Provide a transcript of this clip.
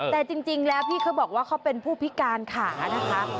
แต่จริงแล้วพี่เขาบอกว่าเขาเป็นผู้พิการขานะคะ